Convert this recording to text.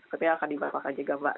seperti yang akan dibatalkan juga mbak